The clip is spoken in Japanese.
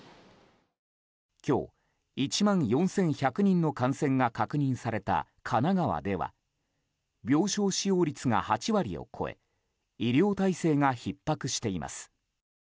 今日、１万４１００人の感染が確認された神奈川では病床使用率が８割を超え医療体制がひっ迫しています。